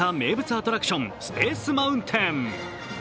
アトラクションスペースマウンテン。